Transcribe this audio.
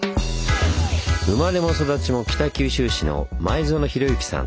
生まれも育ちも北九州市の前薗廣幸さん。